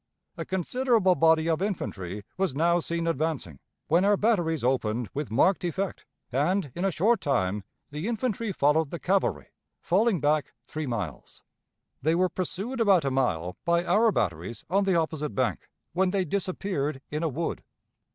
A considerable body of infantry was now seen advancing, when our batteries opened with marked effect, and in a short time the infantry followed the cavalry, falling back three miles. They were pursued about a mile by our batteries on the opposite bank, when they disappeared in a wood.